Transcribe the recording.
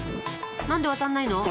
何で渡んないの？